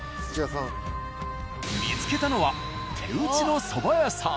見つけたのは手打ちのそば屋さん。